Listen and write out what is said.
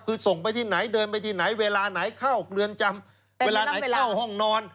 คือส่งไปที่ไหนเดินไปที่ไหนเวลาไหนเข้าเรือนจำเวลาไหนเข้าห้องนอน